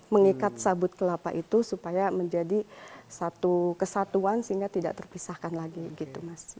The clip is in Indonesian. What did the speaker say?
mengikat sabut kelapa itu supaya menjadi satu kesatuan sehingga tidak terpisahkan lagi gitu mas